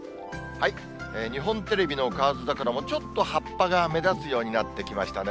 日本テレビの河津桜もちょっと葉っぱが目立つようになってきましたね。